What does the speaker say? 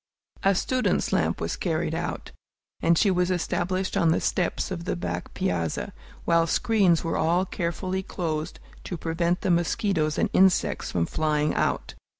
A student's lamp was carried out, and she was established on the steps of the back piazza, while screens were all carefully closed to prevent the mosquitoes and insects from flying out.